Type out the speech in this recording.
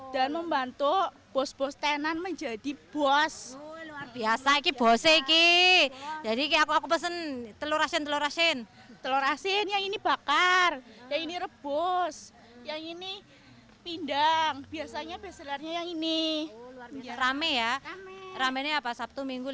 dan membantu bos bos tenan menjadi bos